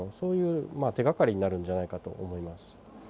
手がかりになるんじゃないかと思います。